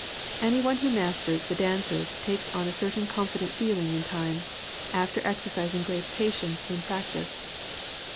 Anyone who masters the dances takes on a certain confident feeling in time, after exercising great patience in practice.